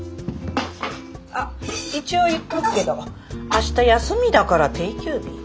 あっ一応言っとくけど明日休みだから定休日。